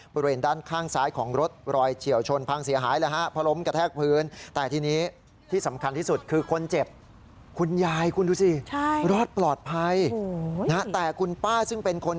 บริเวณด้านข้างซ้ายของรถรอยเฉี่ยวชนพังเสียหายแล้วฮะพอล้มกระแทกพื้น